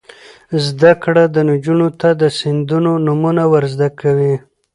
زده کړه نجونو ته د سیندونو نومونه ور زده کوي.